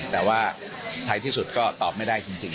แต่ว่าท้ายที่สุดก็ตอบไม่ได้จริง